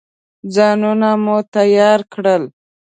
ځانونه مو تیار کړل.